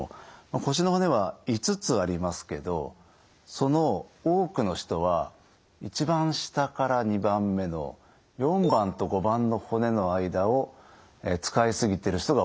腰の骨は５つありますけどその多くの人は一番下から２番目の４番と５番の骨の間を使い過ぎてる人が多いんですね。